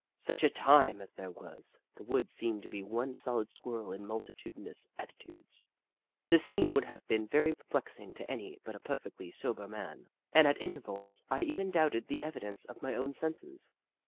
Such a time as there was ! The woods seemed to be one solid Squirrel in multitudi nous attitudes. The scene would have been very perplexing to any but a perfectly sober man, and at intervals I even doubted the evi dence of my own senses.